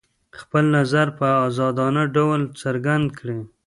خپل نظر په ازادانه ډول څرګند کړي.